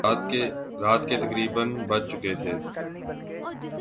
رات کے تقریبا بج چکے تھے